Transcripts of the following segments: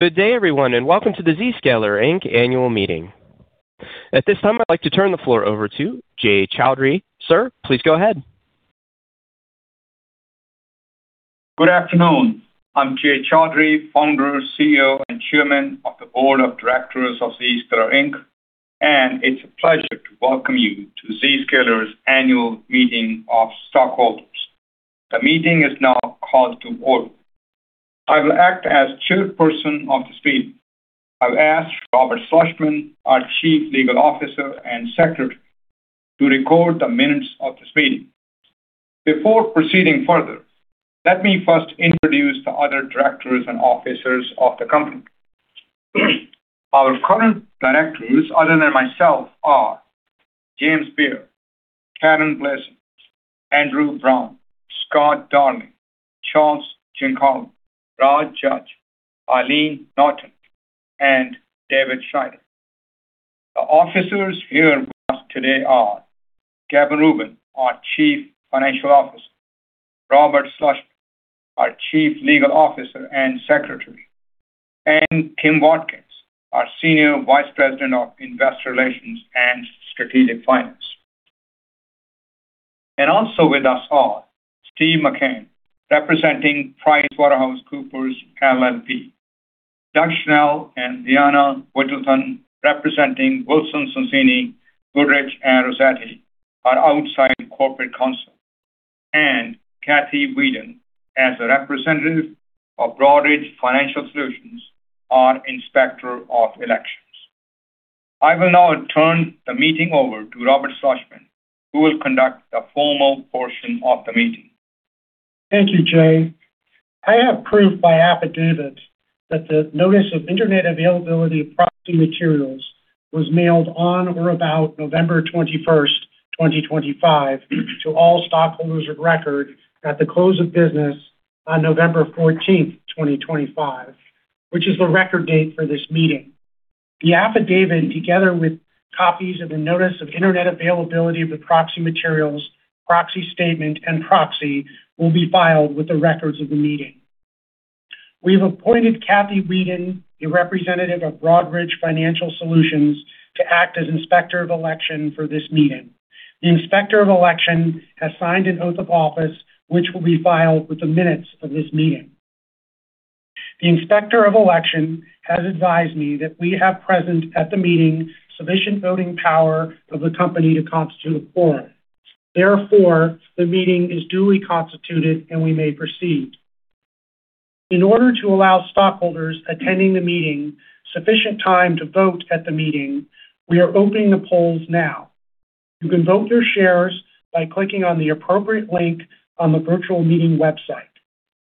Good day, everyone, and welcome to the Zscaler, Inc. annual meeting. At this time, I'd like to turn the floor over to Jay Chaudhry. Sir, please go ahead. Good afternoon. I'm Jay Chaudhry, founder, CEO, and chairman of the board of directors of Zscaler, Inc., and it's a pleasure to welcome you to Zscaler's annual meeting of stockholders. The meeting is now called to order. I will act as the chairperson of this meeting. I'll ask Robert Schlossman, our Chief Legal Officer and Secretary, to record the minutes of this meeting. Before proceeding further, let me first introduce the other directors and officers of the company. Our current directors, other than myself, are: James Beer, Karen Blasing, Andrew Brown, Scott Darling, Charles Giancarlo, Raj Judge, Eileen Naughton, and David Schneider. The officers here with us today are: Kevin Rubin, our Chief Financial Officer, Robert Schlossman, our Chief Legal Officer and Secretary, and Tim Watkins, our senior vice president of investor relations and strategic finance. And also with us are: Steve McCann, representing PricewaterhouseCoopers LLP, Doug Schnell and Liana Whalen, representing Wilson Sonsini Goodrich & Rosati, our outside corporate counsel, and Kathy Wieden, as a representative of Broadridge Financial Solutions, our inspector of elections. I will now turn the meeting over to Robert Schlossman, who will conduct the formal portion of the meeting. Thank you, Jay. I have proof by affidavit that the notice of internet availability of proxy materials was mailed on or about November 21st, 2025, to all stockholders of record at the close of business on November 14th, 2025, which is the record date for this meeting. The affidavit, together with copies of the notice of internet availability of the proxy materials, proxy statement, and proxy, will be filed with the records of the meeting. We have appointed Kathy Wieden, the representative of Broadridge Financial Solutions, to act as inspector of election for this meeting. The inspector of election has signed an oath of office, which will be filed with the minutes of this meeting. The inspector of election has advised me that we have present at the meeting sufficient voting power of the company to constitute a quorum. Therefore, the meeting is duly constituted, and we may proceed. In order to allow stockholders attending the meeting sufficient time to vote at the meeting, we are opening the polls now. You can vote your shares by clicking on the appropriate link on the virtual meeting website.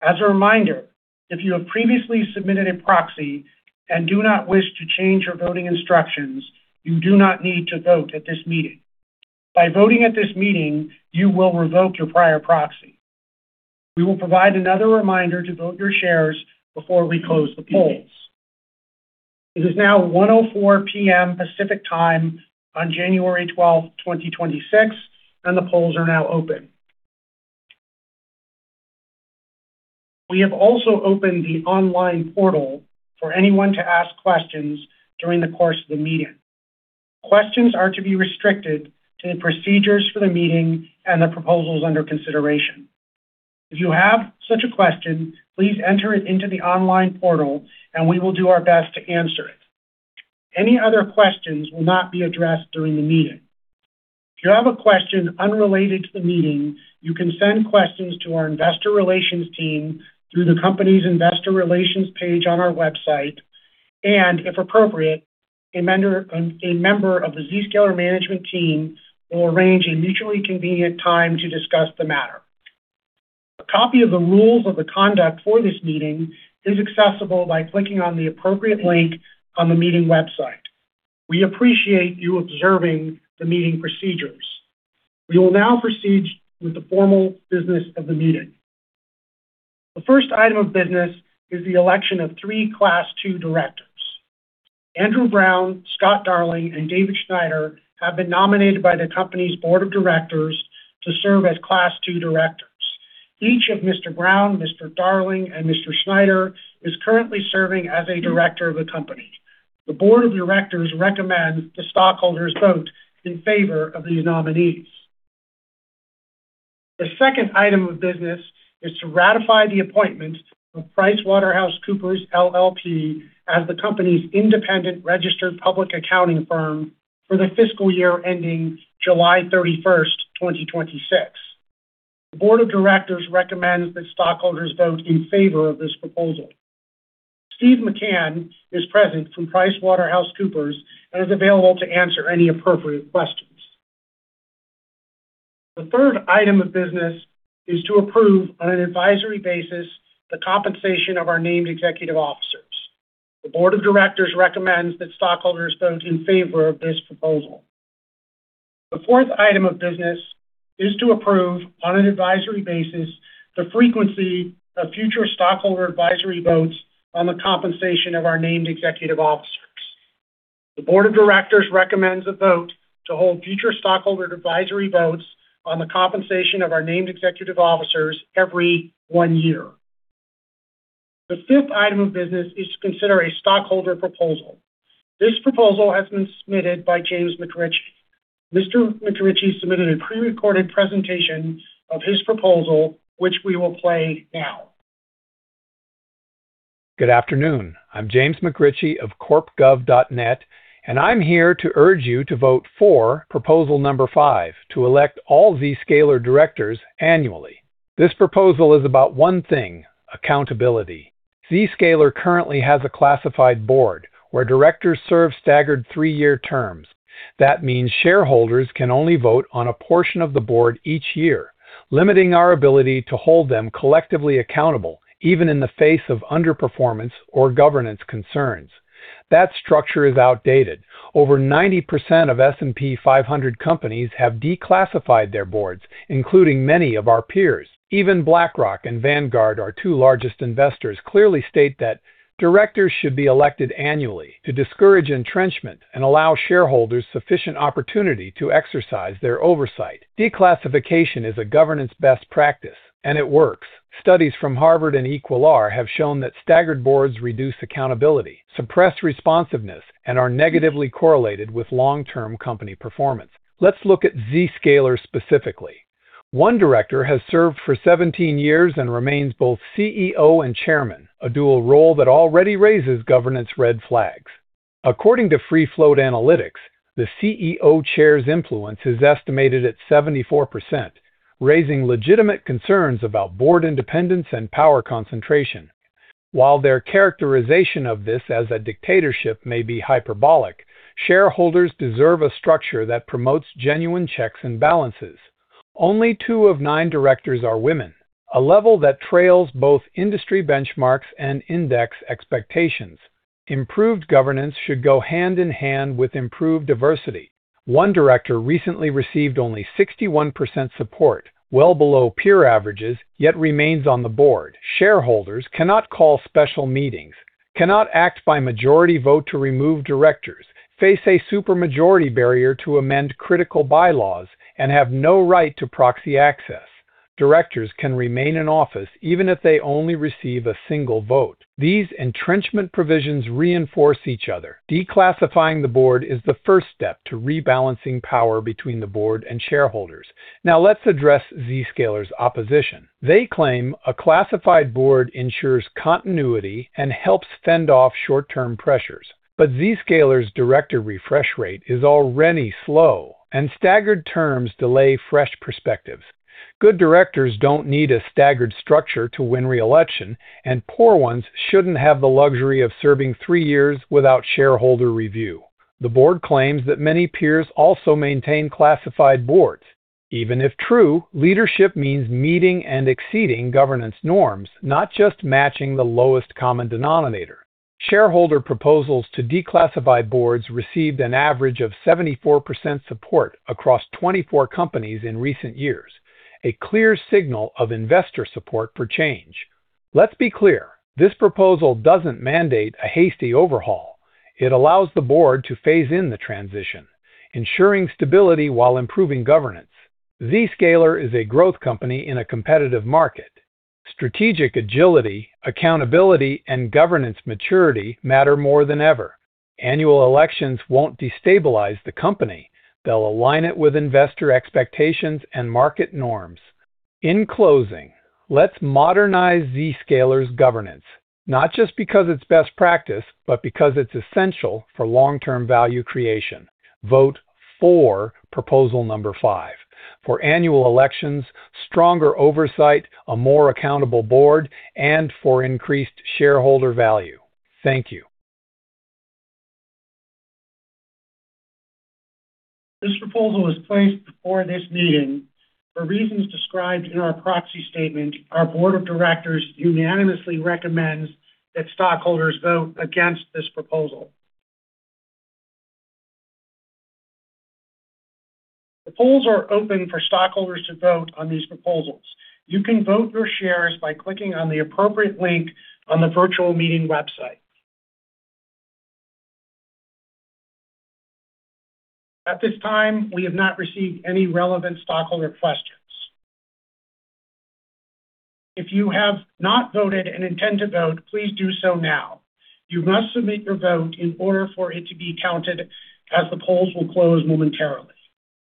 As a reminder, if you have previously submitted a proxy and do not wish to change your voting instructions, you do not need to vote at this meeting. By voting at this meeting, you will revoke your prior proxy. We will provide another reminder to vote your shares before we close the polls. It is now 1:04 P.M. Pacific Time on January 12th, 2026, and the polls are now open. We have also opened the online portal for anyone to ask questions during the course of the meeting. Questions are to be restricted to the procedures for the meeting and the proposals under consideration. If you have such a question, please enter it into the online portal, and we will do our best to answer it. Any other questions will not be addressed during the meeting. If you have a question unrelated to the meeting, you can send questions to our investor relations team through the company's investor relations page on our website, and if appropriate, a member of the Zscaler Management team will arrange a mutually convenient time to discuss the matter. A copy of the rules of the conduct for this meeting is accessible by clicking on the appropriate link on the meeting website. We appreciate you observing the meeting procedures. We will now proceed with the formal business of the meeting. The first item of business is the election of three Class 2 directors. Andrew Brown, Scott Darling, and David Schneider have been nominated by the company's board of directors to serve as Class 2 directors. Each of Mr. Brown, Mr. Darling, and Mr. Schneider is currently serving as a director of the company. The board of directors recommends the stockholders vote in favor of these nominees. The second item of business is to ratify the appointment of PricewaterhouseCoopers LLP as the company's independent registered public accounting firm for the fiscal year ending July 31st, 2026. The board of directors recommends that stockholders vote in favor of this proposal. Steve McCann is present from PricewaterhouseCoopers and is available to answer any appropriate questions. The third item of business is to approve, on an advisory basis, the compensation of our named executive officers. The board of directors recommends that stockholders vote in favor of this proposal. The fourth item of business is to approve, on an advisory basis, the frequency of future stockholder advisory votes on the compensation of our named executive officers. The board of directors recommends a vote to hold future stockholder advisory votes on the compensation of our named executive officers every one year. The fifth item of business is to consider a stockholder proposal. This proposal has been submitted by James McRitchie. Mr. McRitchie submitted a prerecorded presentation of his proposal, which we will play now. Good afternoon. I'm James McRitchie of CorpGov.net, and I'm here to urge you to vote for proposal number five to elect all Zscaler directors annually. This proposal is about one thing: accountability. Zscaler currently has a classified board where directors serve staggered three-year terms. That means shareholders can only vote on a portion of the board each year, limiting our ability to hold them collectively accountable, even in the face of underperformance or governance concerns. That structure is outdated. Over 90% of S&P 500 companies have declassified their boards, including many of our peers. Even BlackRock and Vanguard, our two largest investors, clearly state that directors should be elected annually to discourage entrenchment and allow shareholders sufficient opportunity to exercise their oversight. Declassification is a governance best practice, and it works. Studies from Harvard and Equilar have shown that staggered boards reduce accountability, suppress responsiveness, and are negatively correlated with long-term company performance. Let's look at Zscaler specifically. One director has served for 17 years and remains both CEO and chairman, a dual role that already raises governance red flags. According to Free Float Analytics, the CEO chair's influence is estimated at 74%, raising legitimate concerns about board independence and power concentration. While their characterization of this as a dictatorship may be hyperbolic, shareholders deserve a structure that promotes genuine checks and balances. Only two of nine directors are women, a level that trails both industry benchmarks and index expectations. Improved governance should go hand in hand with improved diversity. One director recently received only 61% support, well below peer averages, yet remains on the board. Shareholders cannot call special meetings, cannot act by majority vote to remove directors, face a supermajority barrier to amend critical bylaws, and have no right to proxy access. Directors can remain in office even if they only receive a single vote. These entrenchment provisions reinforce each other. Declassifying the board is the first step to rebalancing power between the board and shareholders. Now, let's address Zscaler's opposition. They claim a classified board ensures continuity and helps fend off short-term pressures. But Zscaler's director refresh rate is already slow, and staggered terms delay fresh perspectives. Good directors don't need a staggered structure to win reelection, and poor ones shouldn't have the luxury of serving three years without shareholder review. The board claims that many peers also maintain classified boards. Even if true, leadership means meeting and exceeding governance norms, not just matching the lowest common denominator. Shareholder proposals to declassify boards received an average of 74% support across 24 companies in recent years, a clear signal of investor support for change. Let's be clear: this proposal doesn't mandate a hasty overhaul. It allows the board to phase in the transition, ensuring stability while improving governance. Zscaler is a growth company in a competitive market. Strategic agility, accountability, and governance maturity matter more than ever. Annual elections won't destabilize the company. They'll align it with investor expectations and market norms. In closing, let's modernize Zscaler's governance, not just because it's best practice, but because it's essential for long-term value creation. Vote for proposal number five for annual elections, stronger oversight, a more accountable board, and for increased shareholder value. Thank you. This proposal was placed before this meeting. For reasons described in our proxy statement, our board of directors unanimously recommends that stockholders vote against this proposal. The polls are open for stockholders to vote on these proposals. You can vote your shares by clicking on the appropriate link on the virtual meeting website. At this time, we have not received any relevant stockholder questions. If you have not voted and intend to vote, please do so now. You must submit your vote in order for it to be counted as the polls will close momentarily.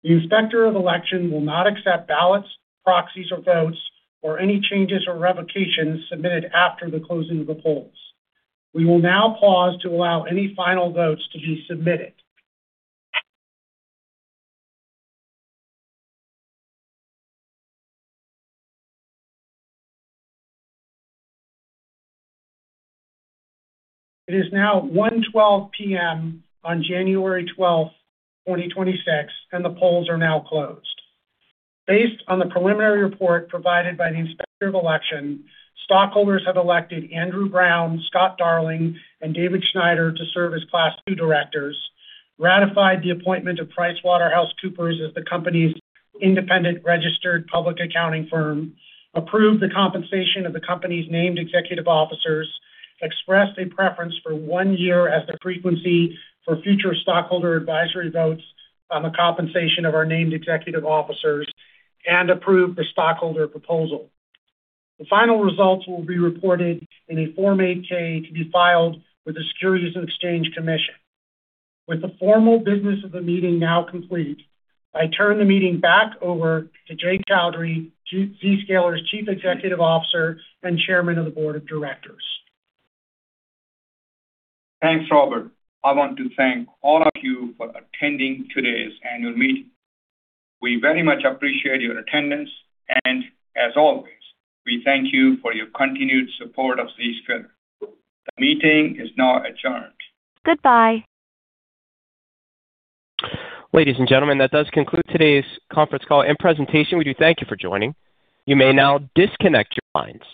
The inspector of election will not accept ballots, proxies, or votes, or any changes or revocations submitted after the closing of the polls. We will now pause to allow any final votes to be submitted. It is now 1:12 P.M. on January 12th, 2026, and the polls are now closed. Based on the preliminary report provided by the inspector of election, stockholders have elected Andrew Brown, Scott Darling, and David Schneider to serve as Class 2 directors, ratified the appointment of PricewaterhouseCoopers as the company's independent registered public accounting firm, approved the compensation of the company's named executive officers, expressed a preference for one year as the frequency for future stockholder advisory votes on the compensation of our named executive officers, and approved the stockholder proposal. The final results will be reported in a Form 8-K to be filed with the Securities and Exchange Commission. With the formal business of the meeting now complete, I turn the meeting back over to Jay Chaudhry, Zscaler's chief executive officer and chairman of the board of directors. Thanks, Robert. I want to thank all of you for attending today's annual meeting. We very much appreciate your attendance, and as always, we thank you for your continued support of Zscaler. The meeting is now adjourned. Goodbye. Ladies and gentlemen, that does conclude today's conference call and presentation. We do thank you for joining. You may now disconnect your lines.